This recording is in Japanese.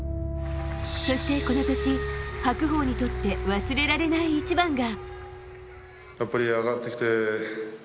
そしてこの年、白鵬にとって忘れられない一番が。